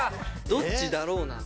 どっちだろうな？